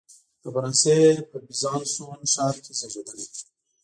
د فرانسې په بیزانسوون ښار کې زیږېدلی دی.